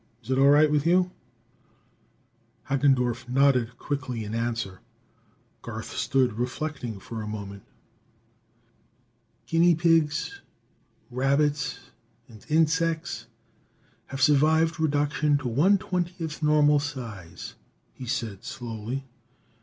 Is it all right with you?" Hagendorff nodded quickly in answer. Garth stood reflecting for a moment. "Guinea pigs, rabbits and insects have survived reduction to one twentieth normal size," he said slowly.